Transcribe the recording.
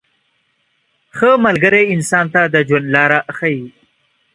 • ښه ملګری انسان ته د ژوند لاره ښیي.